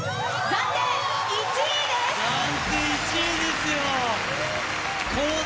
暫定１位ですよ。